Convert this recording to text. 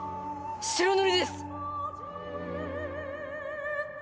白塗りです！